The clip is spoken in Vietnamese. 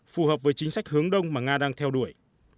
phù hợp với chính sách hướng đông mà nga đang theo đuổi